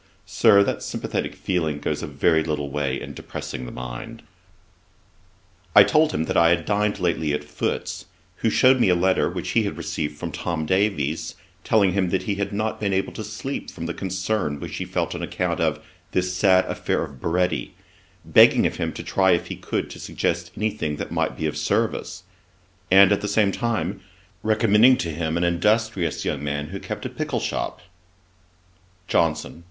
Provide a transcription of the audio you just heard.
Sir, that sympathetic feeling goes a very little way in depressing the mind.' I told him that I had dined lately at Foote's, who shewed me a letter which he had received from Tom Davies, telling him that he had not been able to sleep from the concern which he felt on account of 'This sad affair of Baretti,' begging of him to try if he could suggest any thing that might be of service; and, at the same time, recommending to him an industrious young man who kept a pickle shop. JOHNSON.